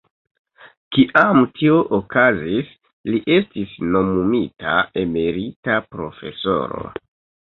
Kiam tio okazis, li estis nomumita emerita profesoro.